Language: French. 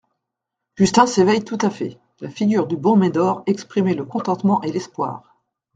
Justin s'éveille tout à fait La figure du bon Médor exprimait le contentement et l'espoir.